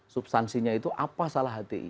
substansinya itu apa salah hti